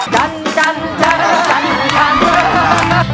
จันทร์จันทร์จันทร์จันทร์